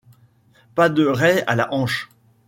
Pas de raie à la hanche.